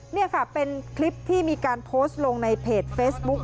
นี่ค่ะเป็นคลิปที่มีการโพสต์ลงในเพจเฟซบุ๊ค